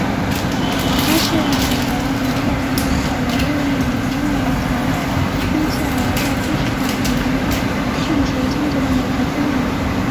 他是美国南北战争后唯一的一名因为逃兵罪而被军事法庭判处枪决的美国军人。